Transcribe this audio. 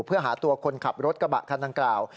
เพื่อหาตัวคนขับรถกระบะคันดังกล่าว